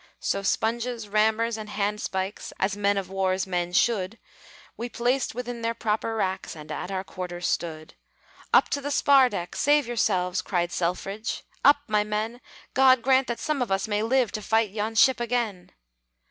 So sponges, rammers, and handspikes As men of war's men should We placed within their proper racks, And at our quarters stood. "Up to the spar deck! Save yourselves!" Cried Selfridge. "Up, my men! God grant that some of us may live To fight yon ship again!"